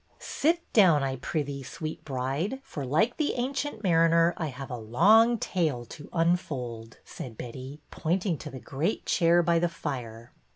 Sit down, I prithee, sweet bride,, for, like the Ancient Mariner, I have a long tale to unfold," said Betty, pointing to the great chair by the fire.